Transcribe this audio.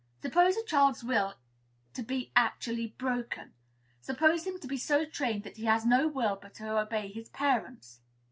Suppose a child's will to be actually "broken;" suppose him to be so trained that he has no will but to obey his parents.